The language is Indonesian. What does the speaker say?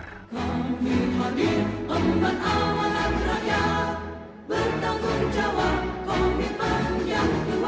kami hadir umat awalan rakyat